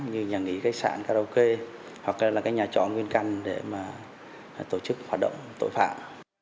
như nhà nghỉ khách sạn karaoke hoặc là nhà trọ nguyên căn để tổ chức hoạt động tội phạm